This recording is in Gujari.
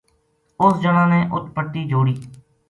اُس جنا نے اُت پٹی جوڑی